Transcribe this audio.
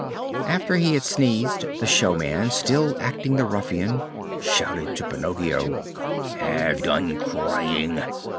After he had sneezed, the showman, still acting the ruffian, shouted to Pinocchio: "Have done crying!